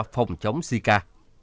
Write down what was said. không chống zika